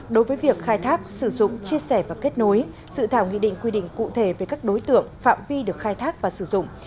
đối với việc khai thác sử dụng chia sẻ và kết nối dự thảo nghị định quy định cụ thể về các đối tượng phạm vi được khai thác và sử dụng